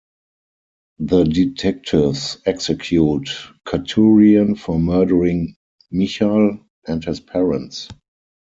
The detectives execute Katurian for murdering Michal and his parents.